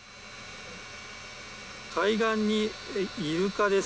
海岸に、イルカです。